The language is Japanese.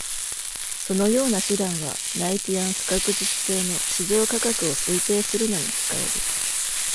そのような手段は、ナイティアン不確実性の市場価格を推定するのに使える。